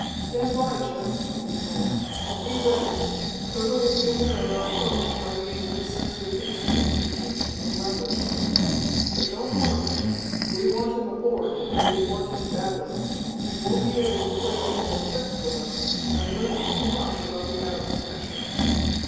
"Stand by, Jim!" he called. "And be ready. Tode will be aware of our approach by means of the sensitive instruments he keeps in his laboratory. But don't harm him. We want him aboard, and we want him badly. He won't be able to play any more tricks with us. I've learned too much about the Atom Smasher."